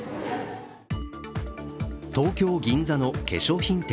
東京・銀座の化粧品店。